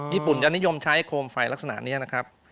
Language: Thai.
ญี่ปุ่นจะนิยมใช้โคมไฟลักษณะนี้นะครับ